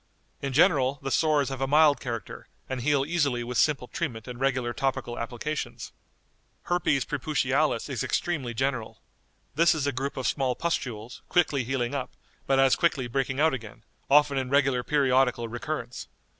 In general, the sores have a mild character, and heal easily with simple treatment and regular topical applications. Herpes preputialis is extremely general. This is a group of small pustules, quickly healing up, but as quickly breaking out again, often in regular periodical recurrence.